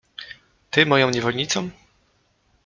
— Ty moją niewolnicą?